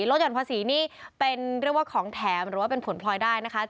หย่อนภาษีนี่เป็นเรียกว่าของแถมหรือว่าเป็นผลพลอยได้นะคะ